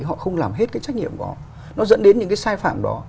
họ không làm hết trách nhiệm của họ nó dẫn đến những sai phạm đó